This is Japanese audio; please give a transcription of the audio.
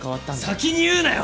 先に言うなよ！